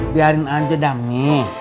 biarin aja dah mie